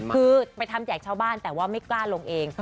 คือไปทำแจกชาวบ้านแต่ว่าไม่กล้าลงเอง